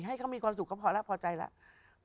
ให้เขามีความสุขเขาพอแล้วพอใจแล้ว